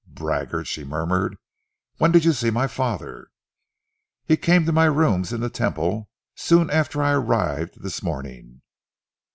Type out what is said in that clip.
"Braggart!" she murmured. "When did you see my father?" "He came to my rooms in the Temple soon after I arrived this morning.